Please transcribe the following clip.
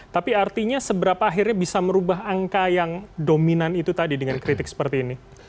tapi artinya seberapa akhirnya bisa merubah angka yang dominan itu tadi dengan kritik seperti ini